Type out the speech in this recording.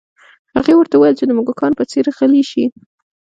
هغې ورته وویل چې د موږکانو په څیر غلي شي